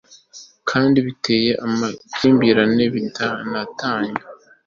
kandi biteza amakimbirane bikanatanya